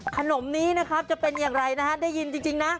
ขนมนี้จะเป็นอย่างไรนะครับได้ยินจริงนะ